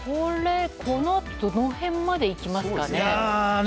このあと、どの辺までいきますかね？